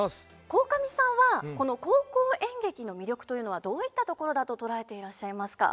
鴻上さんはこの高校演劇の魅力というのはどういったところだと捉えていらっしゃいますか。